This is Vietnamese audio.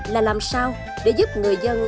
là làm sao để giúp người dân